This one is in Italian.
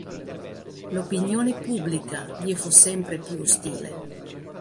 L'opinione pubblica gli fu sempre più ostile.